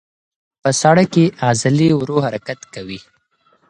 په ساړه کې عضلې ورو حرکت کوي.